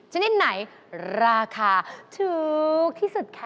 ชนิดไหนราคาถูกที่สุดคะ